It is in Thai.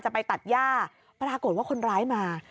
ไปตัดย่าปรากฏว่าคนร้ายมา